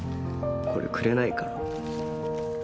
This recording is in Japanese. これくれないかなぁ。